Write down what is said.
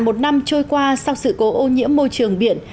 một năm trôi qua sau sự cố ô nhiễm môi trường biển